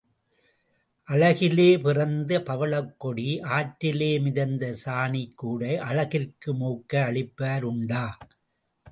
அழகிலே பிறந்த பவளக்கொடி, ஆற்றிலே மிதந்த சாணிக் கூடை அழகிற்கு மூக்கை அழிப்பார் உண்டா?